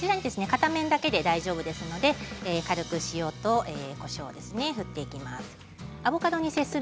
片面だけで大丈夫ですので軽く塩と、こしょうです。